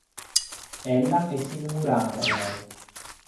Ella ei s’inamurada en el.